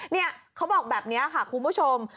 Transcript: เนี่ยเขาบอกแบบนี้ค่ะคุณผู้ชม